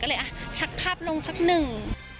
ก็เลยอ่ะชักภาพลงสักหนึ่ง